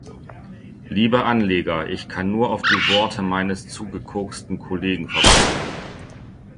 Liebe Anleger, ich kann nur auf die Worte meines zugekoksten Kollegen verweisen.